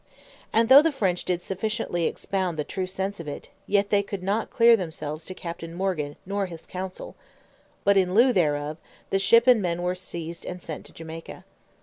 And though the French did sufficiently expound the true sense of it, yet they could not clear themselves to Captain Morgan nor his council: but in lieu thereof, the ship and men were seized and sent to Jamaica.